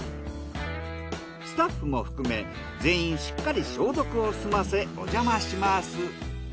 スタッフも含め全員しっかり消毒を済ませおじゃまします。